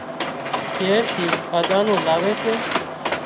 شهر ٿي کاڌا نُون لاوي سي